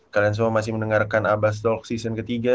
kalian semua masih mendengarkan abbasdog season ketiga